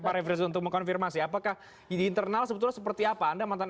pak refris untuk mengkonfirmasi apakah di internal sebetulnya seperti apa anda mantan